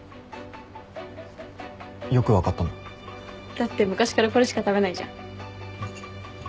だって昔からこれしか食べないじゃん。